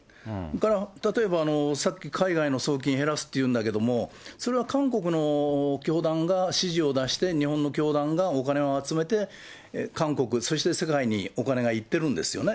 だから、例えばさっき海外の送金減らすっていうんだけれども、それは韓国の教団が指示を出して、日本の教団がお金を集めて、韓国、そして世界にお金がいってるんですよね。